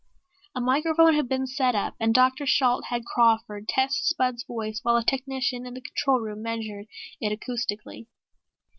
A microphone had been set up and Dr. Shalt had Crawford test Spud's voice while a technician in the control booth measured it acoustically.